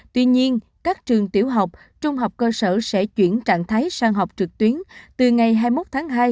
tuy nhiên các trường tiểu học trung học cơ sở sẽ chuyển trạng thái sang học trực tuyến từ ngày hai mươi một tháng hai